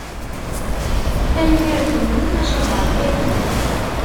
Tanemmirt-nnem, maca beṛka-iyi.